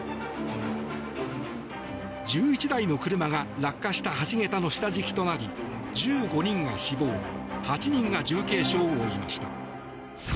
１１台の車が落下した橋桁の下敷きとなり１５人が死亡８人が重軽傷を負いました。